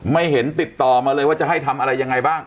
ไม่เห็นติดต่อมาเลยว่าจะให้ทำอะไรยังไงบ้าง